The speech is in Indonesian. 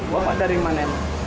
bapak dari mana